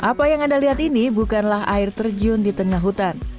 apa yang anda lihat ini bukanlah air terjun di tengah hutan